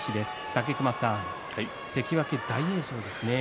武隈さん、関脇大栄翔ですね